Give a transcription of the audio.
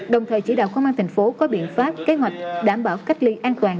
đồng thời chỉ đạo công an thành phố có biện pháp kế hoạch đảm bảo cách ly an toàn